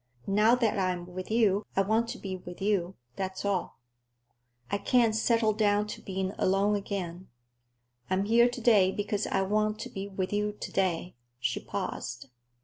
Now that I'm with you, I want to be with you; that's all. I can't settle down to being alone again. I am here to day because I want to be with you to day." She paused.